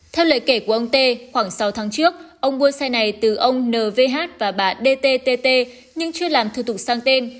theo lời kể của ông t khoảng sáu tháng trước ông mua xe này từ ông n v h và bà d t t t nhưng chưa làm thư tục sang tên